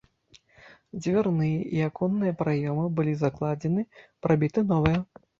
Дзвярныя і аконныя праёмы былі закладзены, прабіты новыя.